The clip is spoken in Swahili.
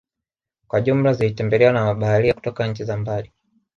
kwa jumla zilitembelewa na mabaharia kutoka nchi za mbali